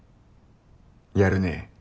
やるね。